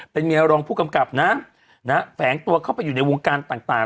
เป็นเมียรองผู้กำกับนะแฝงตัวเข้าไปอยู่ในวงการต่าง